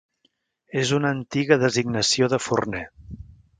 És una antiga designació de forner.